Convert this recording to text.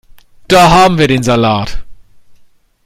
Da haben wir den Salat.